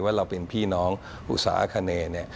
ว่าเราเป็นพี่น้องอุตสาคเน